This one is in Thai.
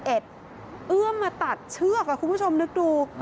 เอื้อมมาตัดเชือกคุณผู้ชมนึกดู